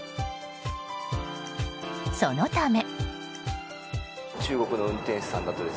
そのため。